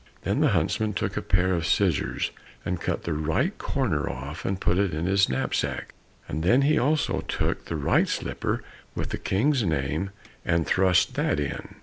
Then the huntsman took a pair of scissors and cut the right corner off, and put it in his knapsack, and then he also took the right slipper with the King's name, and thrust that in.